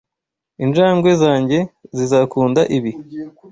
Injangwe zanjye zizakunda ibi.